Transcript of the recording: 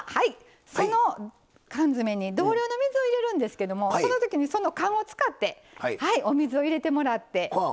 その缶詰に同量の水を入れるんですけどもそのときにその缶を使ってはいお水を入れてもらって。